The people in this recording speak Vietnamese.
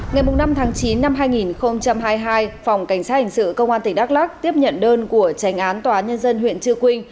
ngày năm tháng chín năm hai nghìn hai mươi hai phòng cảnh sát hình sự công an tỉnh đắk lắc tiếp nhận đơn của tránh án tòa nhân dân huyện chư quynh